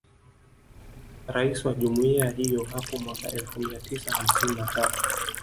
Rais wa Jumuiya hiyo hapo mwaka elfu mia tisa hamsini na tatu